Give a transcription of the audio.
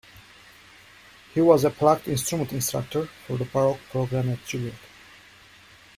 He was a plucked instrument instructor for the Baroque program at Juilliard.